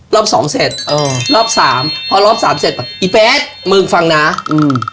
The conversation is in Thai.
รอบสองเสร็จเออรอบสามพอรอบสามเสร็จอีแป๊ดมึงฟังนะอืม